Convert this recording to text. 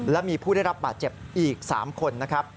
และมีผู้ได้รับบาดเจ็บอีก๓คนนะครับ